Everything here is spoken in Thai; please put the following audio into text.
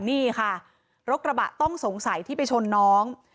นี่ค่ะรถกระบะต้องสงสัยที่ไปชนน้อง